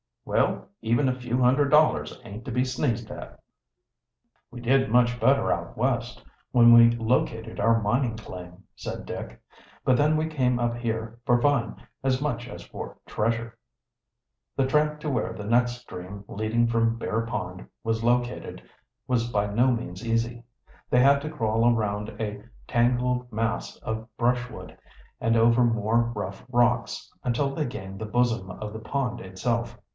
"Well, even a few hundred dollars aint to be sneezed at." "We did much better out West, when we located our mining claim," said Dick. "But then we came up here for fun as much as for treasure." The tramp to where the next stream leading from Bear Pond was located was by no means easy. They had to crawl around a tangled mass of brushwood and over more rough rocks, until they gained the bosom of the pond itself.